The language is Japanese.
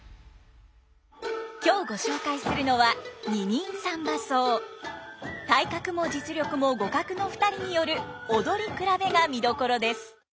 今日ご紹介するのは体格も実力も互角の２人による踊り比べが見どころです。